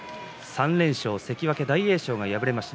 ３連勝、関脇大栄翔が敗れました。